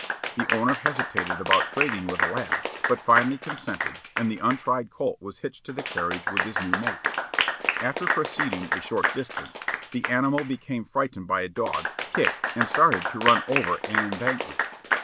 The owner hesitated about trading with a lad, but finally consented, and the untried colt was hitched to the carriage with his new mate. After proceeding a short distance, the animal became frightened by a dog, kicked, and started to run over an embankment.